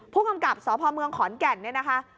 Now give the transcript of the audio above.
ผู้กำกับสพเมืองขอนแก่นเนี่ยนะคะ